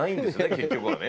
結局はね。